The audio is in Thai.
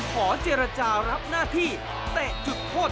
ขอเจรจารับหน้าที่เตะจุดโทษ